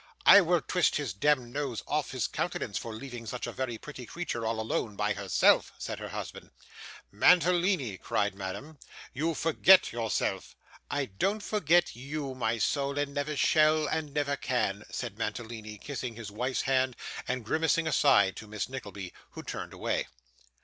'I will twist his demd nose off his countenance for leaving such a very pretty creature all alone by herself,' said her husband. 'Mantalini,' cried Madame, 'you forget yourself.' 'I don't forget you, my soul, and never shall, and never can,' said Mantalini, kissing his wife's hand, and grimacing aside, to Miss Nickleby, who turned away.